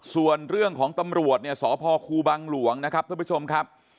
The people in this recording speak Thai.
ส่วนเรื่องของตำรวจเนี่ยสพครูบังหลวงนะครับท่านผู้ชมครับ